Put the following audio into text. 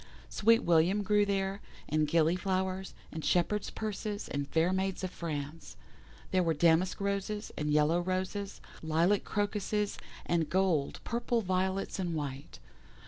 Sweet william grew there, and Gilly flowers, and Shepherds' purses, and Fair maids of France. There were damask Roses, and yellow Roses, lilac Crocuses, and gold, purple Violets and white.